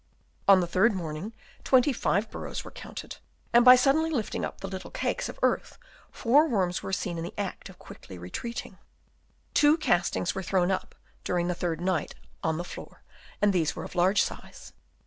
On the third morning twenty five burrows were counted ; Chap. IV. OF ANCIENT BUILDINGS. 187 and by suddenly lifting up the little cakes of earth, four worms were seen in the act of quickly retreating. Two castings were thrown up during the third night on the floor, and these were of large size.